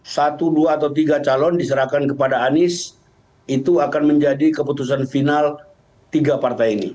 satu dua atau tiga calon diserahkan kepada anies itu akan menjadi keputusan final tiga partai ini